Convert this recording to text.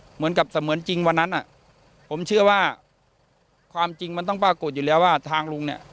เหมือนกับเสมือนจริงวันนั้นอ่ะผมเชื่อว่าความจริงมันต้องปรากฏอยู่แล้วว่าทางลุงเนี่ย